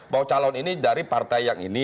bahwa calon ini dari partai yang ini